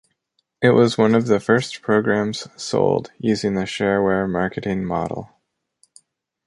It was one of the first programs sold using the shareware marketing model.